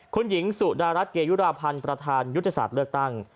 คุณหญิงสุดารัฐเกยุราพันธ์ประธานยุทธศาสตร์เลือกตั้ง